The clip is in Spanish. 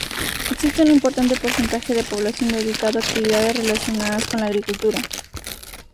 Existe un importante porcentaje de población dedicado a actividades relacionadas con la agricultura.